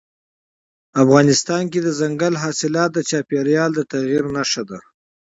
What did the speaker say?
افغانستان کې دځنګل حاصلات د چاپېریال د تغیر نښه ده.